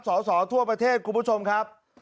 สอสอทั่วประเทศคุณผู้ชมครับ